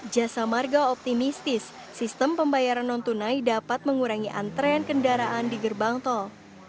jasa marga optimistis sistem pembayaran non tunai dapat mengurangi antrean kendaraan di gerbang tol